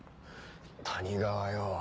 谷川よぉ